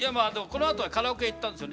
このあとはカラオケ行ったんですよ